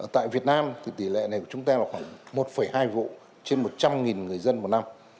tại việt nam thì tỷ lệ này của chúng ta là khoảng một hai vụ trên một trăm linh người dân một năm